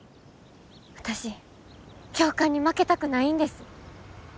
私教官に負けたくないんです。